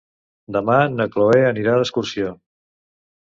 Demà na Cloè anirà d'excursió.